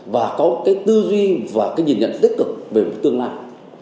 và có cái tư duy và cái nhìn nhận tích cực về một tương lai